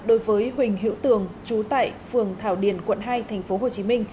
đối với huỳnh hiễu tường trú tại phường thảo điền quận hai tp hcm